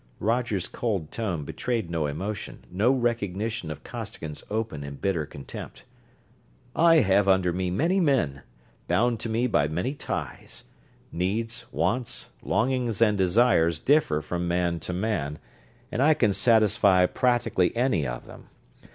Roger's cold tone betrayed no emotion, no recognition of Costigan's open and bitter contempt. "I have under me many men, bound to me by many ties. Needs, wants, longings and desires differ from man to man, and I can satisfy practically any of them.